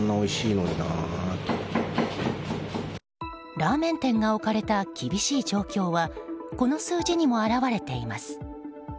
ラーメン店が置かれた厳しい状況はこの数字にも表れています。